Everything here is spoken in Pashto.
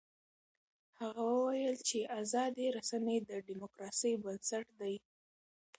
هغه وویل چې ازادې رسنۍ د ډیموکراسۍ بنسټ دی.